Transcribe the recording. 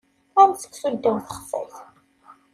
Am seksu ddaw texsayt.